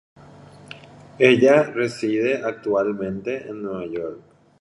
Ella reside actualmente en Nueva York.